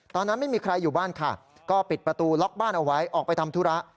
ตอนนั้นไม่มีใครอยู่บ้านค่ะก็ปิดประตูล็อกบ้านเอาไว้ออกไปทำธุระ